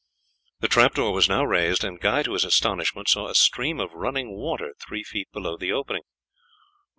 The trap door was now raised, and Guy to his astonishment saw a stream of running water three feet below the opening.